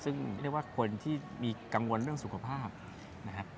ซึ่งเรียกว่าคนที่มีกังวลเรื่องสุขภาพนะครับ